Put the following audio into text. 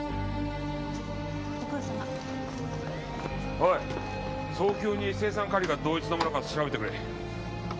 おい早急に青酸カリが同一のものか調べてくれ！